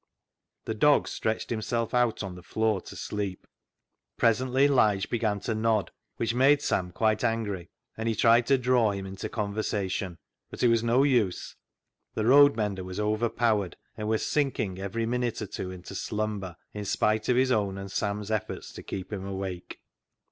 The dog stretched himself out on the floor to sleep. Presently Lige began to nod, which made Sam quite angry, and he tried to draw him into conversation. But it was no use ; the road mender was overpowered, and was sinking every minute or two into slumber, in spite of his own and Sam's efforts to keep him awake.